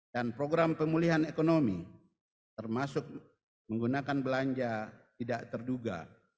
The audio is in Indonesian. dan program pemulihan ekonomi termasuk menggunakan belanja tidak terduga